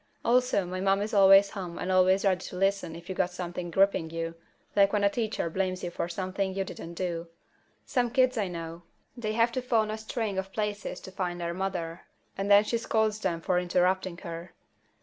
Also, my mom is always home and always ready to listen if you got something griping you, like when a teacher blames you for something you didn't do. Some kids I know, they have to phone a string of places to find their mother, and then she scolds them for interrupting her.